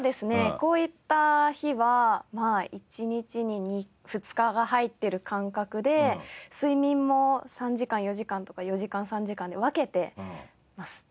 こういった日は１日に２日が入っている感覚で睡眠も３時間４時間とか４時間３時間で分けてます。